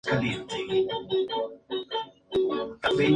Se accede mediante la autopista Habana-Pinar del Río.